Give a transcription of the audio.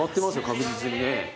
確実にね。